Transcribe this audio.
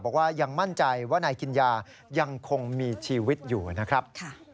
บอกว่ายังมั่นใจว่านายกินยายังคงมีชีวิตอยู่นะครับ